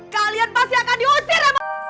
kalian pasti akan diusir